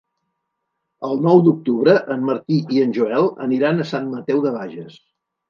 El nou d'octubre en Martí i en Joel aniran a Sant Mateu de Bages.